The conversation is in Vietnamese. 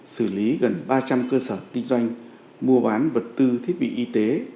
xử lý gần ba trăm linh cơ sở kinh doanh mua bán vật tư thiết bị y tế